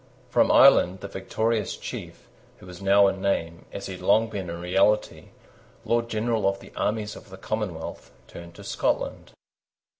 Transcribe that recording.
From Ireland the victorious chief, who was now in name, as he had long been in reality, Lord General of the armies of the Commonwealth, turned to Scotland.